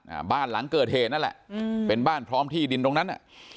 อ่าบ้านหลังเกิดเหตุนั่นแหละอืมเป็นบ้านพร้อมที่ดินตรงนั้นอ่ะ